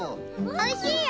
おいしいよ！